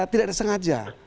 tidak ada sengaja